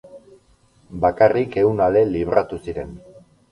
Bakarrik ehun ale libratu ziren.